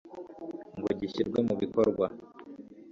ngo gishyirwe mu bikorwa,